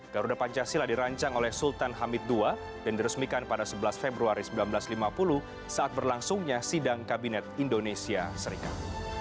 garuda pancasila dirancang oleh sultan hamid ii dan diresmikan pada sebelas februari seribu sembilan ratus lima puluh saat berlangsungnya sidang kabinet indonesia serikat